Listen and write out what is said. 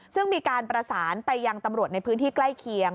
ซึ่งมีการประสานไปยังตำรวจในพื้นที่ใกล้เคียง